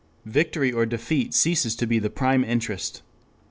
Victory or defeat ceases to be the prime interest.